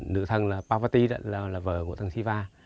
nữ thần là pabatit là vợ của thần siva